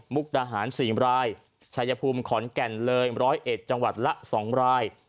ดาหาร๔รายชายภูมิขอนแก่นเลย๑๐๑จังหวัดละ๒ราย